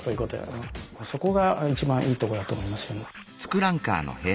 そこが一番いいとこだと思います。